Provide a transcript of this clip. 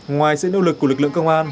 ngoài sự nỗ lực của lực lượng công an